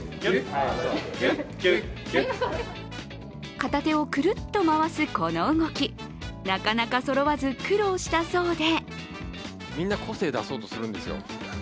片手をくるっと回すこの動き、なかなかそろわず苦労したそうで。